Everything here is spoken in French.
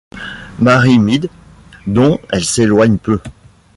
Mary Mead, dont elle s'éloigne peu.